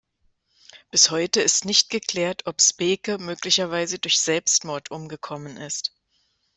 Bis heute ist nicht geklärt, ob Speke möglicherweise durch Selbstmord umgekommen ist.